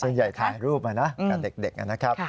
ส่วนใหญ่ถ่ายรูปมานะกับเด็กนะครับ